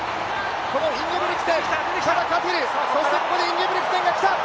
このインゲブリクセン、カティル、ここでインゲブリクセンがきた。